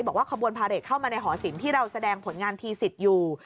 ขบวนพาเรทเข้ามาในหอศิลปที่เราแสดงผลงานทีสิทธิ์อยู่